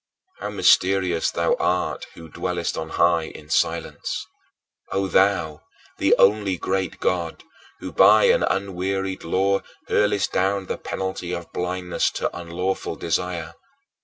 How mysterious thou art, who "dwellest on high" in silence. O thou, the only great God, who by an unwearied law hurlest down the penalty of blindness to unlawful desire!